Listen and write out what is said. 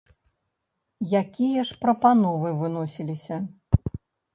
Якія ж прапановы выносіліся?